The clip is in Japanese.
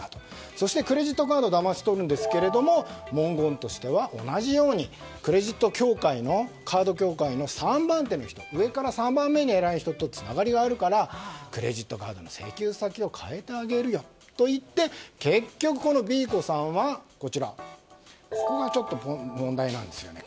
そして、クレジットカードをだまし取るんですが文言としては同じようにクレジットカード協会の３番手の人上から３番目に偉い人とつながりがあるからクレジットカードの請求先を変えてあげるよと言って結局このＢ子さんはここが問題なんですよね。